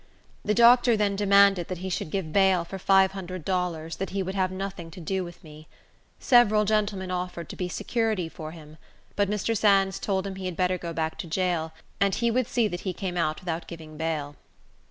The doctor then demanded that he should give bail for five hundred dollars that he would have nothing to do with me. Several gentlemen offered to be security for him; but Mr. Sands told him he had better go back to jail, and he would see that he came out without giving bail.